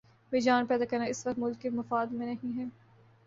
ہیجان پیدا کرنا اس وقت ملک کے مفاد میں نہیں ہے۔